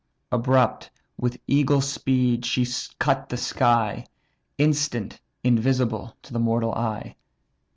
Abrupt, with eagle speed she cut the sky; Instant invisible to mortal eye.